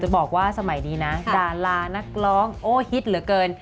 บอกว่าสมัยนี้นะดารานักร้องโอ้ฮิตเหลือเกิน